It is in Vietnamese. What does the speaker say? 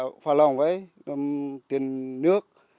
đồng hòa lòng với tiền nước